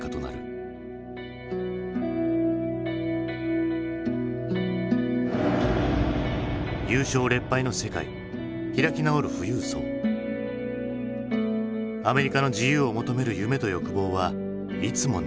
アメリカの自由を求める夢と欲望はいつもねじれすれ違っていく。